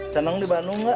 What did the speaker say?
ceneng di bandung gak